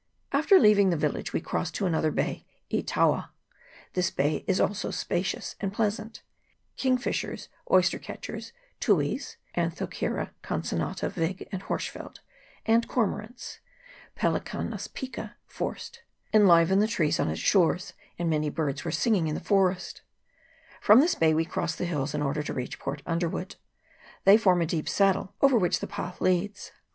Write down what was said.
After leaving the village we crossed to another bay, E Taua. This bay also is spacious and pleasant. Kingfishers, oystercatchers, tuis, 1 and cormorants, 2 enlivened the trees on its shores, and many birds were singing in the forest. From this bay we crossed the hills in order to reach Port Underwood. They form a deep saddle, over which the path leads.